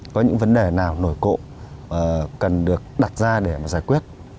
có những vấn đề nào nổi cộng cần được đặt ra để giải quyết